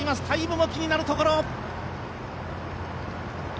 タイムも気になるところ。